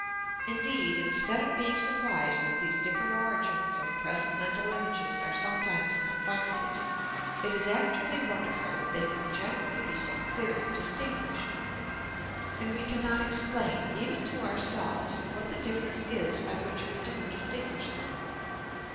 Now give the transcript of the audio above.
Indeed, instead of being surprised that these different origins of present mental images are sometimes confounded, it is actually wonderful that they can generally be so clearly distinguished; and we can not explain, even to ourselves, what the difference is by which we do distinguish them.